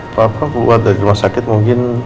pak pak keluar dari rumah sakit mungkin